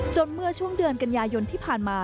เมื่อช่วงเดือนกันยายนที่ผ่านมา